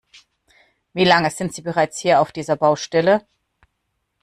Wie lange sind sie bereits hier auf dieser Baustelle?